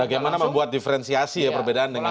bagaimana membuat diferensiasi ya perbedaan dengan